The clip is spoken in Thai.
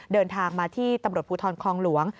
เดินทางมาที่ตำรวจภูทรคลองหลวง